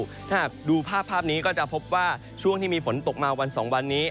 ถ้าหากดูภาพนี้ก็จะพบว่าช่วงที่มีฝนตกมาวัน๒วันนี้